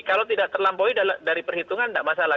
kalau tidak terlampaui dari perhitungan tidak masalah